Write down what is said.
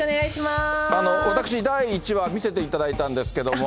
私、第１話、見せていただいたんですけれども。